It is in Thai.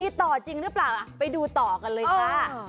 มีต่อจริงหรือเปล่าไปดูต่อกันเลยค่ะ